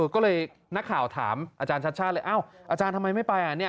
ก็เลยนักข่าวถามอาจารย์ชัดชาติเลยเอ้าอาจารย์ทำไมไม่ไป